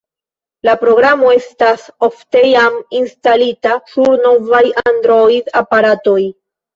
La programo estas ofte jam instalita sur novaj Android-aparatoj.